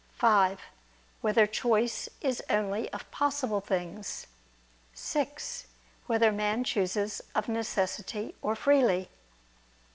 (5) Whether choice is only of possible things? (6) Whether man chooses of necessity or freely?